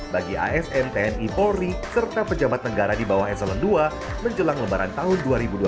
bagi asn tni polri serta pejabat negara di bawah s sembilan puluh dua menjelang lembaran tahun dua ribu dua puluh dua